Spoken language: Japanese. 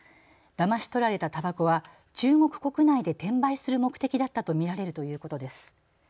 だまし取られたたばこは中国国内で転売する目的だったと見られるということです。